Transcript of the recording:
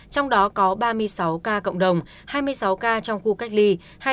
trong đó có ba mươi sáu ca cộng đồng hai mươi sáu ca trong khu cách ly